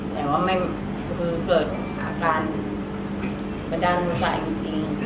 แต่ว่าไม่คือเกิดอาการประดานภาษาจริงจริง